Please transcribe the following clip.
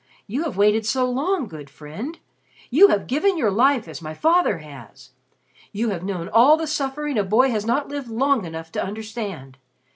"You have waited so long, good friend. You have given your life as my father has. You have known all the suffering a boy has not lived long enough to understand.